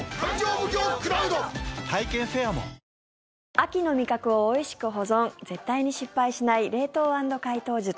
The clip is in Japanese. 秋の味覚をおいしく保存絶対に失敗しない冷凍＆解凍術。